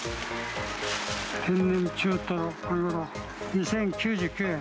天然中トロマグロ２０９９円。